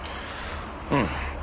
うん。